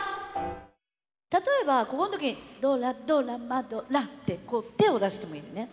例えばこの時に「ドラドラマドラ！」ってこう手を出してもいいのね。